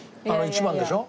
壹番でしょ？